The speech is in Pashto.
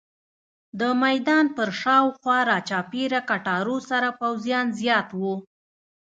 د میدان پر شاوخوا راچاپېره کټارو سره پوځیان زیات وو.